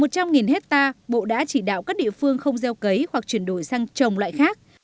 một trăm linh hectare bộ đã chỉ đạo các địa phương không gieo cấy hoặc chuyển đổi sang trồng loại khác